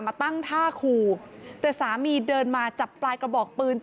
มาตั้งท่าขู่แต่สามีเดินมาจับปลายกระบอกปืน